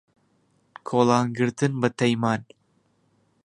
کۆڵان گرتن بە تەیمان